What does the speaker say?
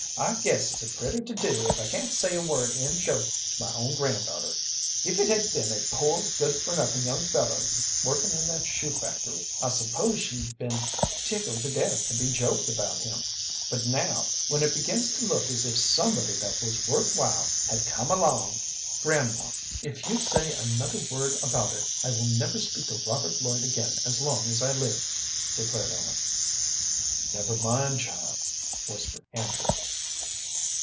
"I guess it's a pretty to do, if I can't say a word in joke to my own granddaughter. If it had been a poor, good for nothing young feller workin' in a shoe factory, I s'pose she'd been tickled to death to be joked about him, but now when it begins to look as if somebody that was worth while had come along " "Grandma, if you say another word about it, I will never speak to Robert Lloyd again as long as I live," declared Ellen. "Never mind, child," whispered Andrew.